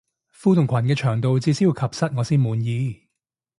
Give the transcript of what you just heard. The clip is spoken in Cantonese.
褲同裙嘅長度至少要及膝我先滿意